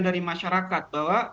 dari masyarakat bahwa